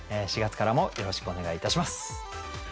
４月からもよろしくお願いいたします。